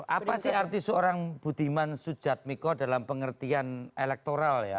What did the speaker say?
apa sih arti seorang budiman sujadmiko dalam pengertian elektoral ya